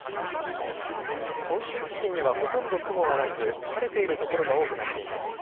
本州付近にはほとんど雲はなく晴れている所が多くなっています。